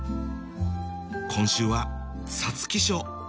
今週は皐月賞。